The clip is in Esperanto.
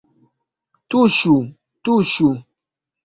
Tuŝu, tuŝu